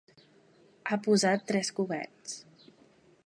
Ha posat tres coberts.